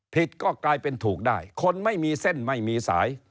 ก็กลายเป็นถูกได้คนไม่มีเส้นไม่มีสาย